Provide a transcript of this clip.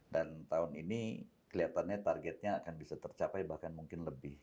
dan tahun ini kelihatannya targetnya akan bisa tercapai bahkan mungkin lebih